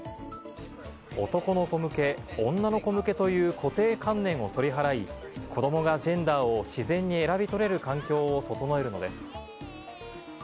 男の子向け、女の子向けという固定観念を取り払い、子どもがジェンダーを自然に選び取れる環境を整えるのです。